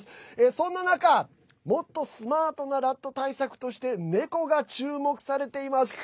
そんな中、もっとスマートなラット対策としてネコが注目されています。